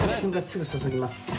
すぐ注ぎます。